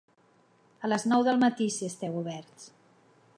A les nou del matí si esteu oberts.